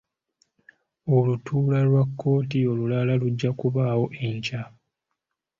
Olutuula lwa kkooti olulala lujja kubaawo enkya.